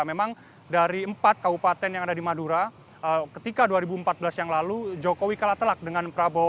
memang dari empat kabupaten yang ada di madura ketika dua ribu empat belas yang lalu jokowi kalah telak dengan prabowo